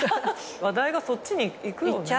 話題がそっちにいくよね。